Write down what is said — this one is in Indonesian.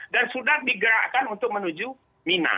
dan sudah digerakkan untuk menuju mina